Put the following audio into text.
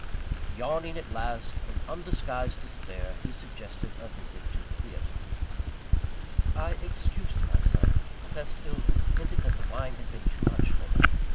Yawning at last, in undisguised despair, he suggested a visit to the theatre. I excused myself professed illness hinted that the wine had been too much for me.